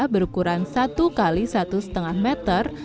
berukuran satu x satu lima meter